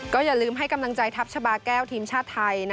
อย่าลืมให้กำลังใจทัพชาบาแก้วทีมชาติไทย